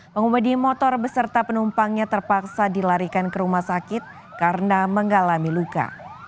pengemudi motor beserta penumpangnya terpaksa dilarikan ke rumah sakit karena mengalami luka